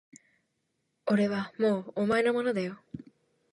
俺はもうお前のものだよ